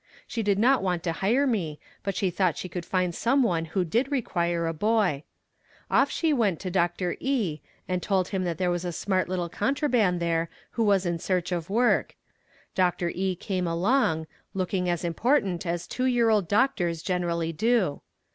She did not want to hire me, but she thought she could find some one who did require a boy. Off she went to Dr. E. and told him that there was a smart little contraband there who was in search of work. Dr. E. came along, looking as important as two year old doctors generally do.